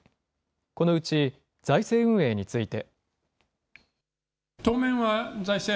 このうち財政運営について。